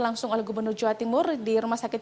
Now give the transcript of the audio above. langsung oleh gubernur jawa timur di rumah sakit